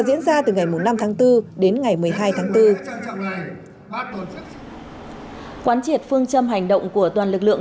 diễn ra từ ngày năm tháng bốn đến ngày một mươi hai tháng bốn quán triệt phương châm hành động của toàn lực lượng